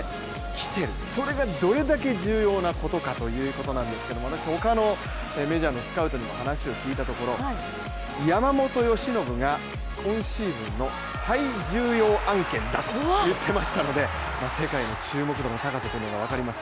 来ている、それがどれだけ重要なことかということなんですけど、私、他のメジャーのスカウトにも話を聞いたところ山本由伸が今シーズンの最重要案件だと言っていましたので、世界の注目度の高さというのが分かります。